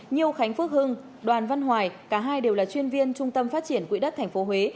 như khánh phước hưng đoàn văn hoài cả hai đều là chuyên viên trung tâm phát triển quỹ đất tp huế